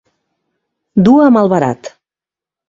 Dur a malbarat.